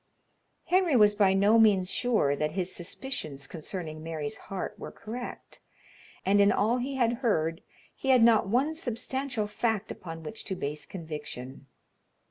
Henry was by no means sure that his suspicions concerning Mary's heart were correct, and in all he had heard he had not one substantial fact upon which to base conviction.